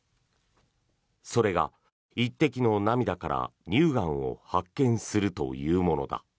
それが１滴の涙から乳がんを発見するというものだ。